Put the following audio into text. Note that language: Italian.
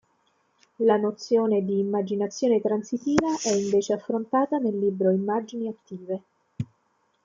La nozione di "immaginazione transitiva", è invece affrontata nel libro "Immagini Attive.